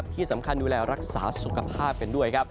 ที่สำคัญดูแลรักษาสุขภาพกันด้วยครับ